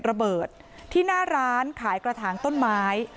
ระเบิดที่หน้าร้านขายกระถางต้นไม้